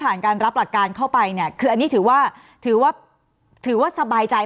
ไม่ผ่านการรับประกานเข้าไปคือถือที่จะถือว่าถือว่าสมายใจ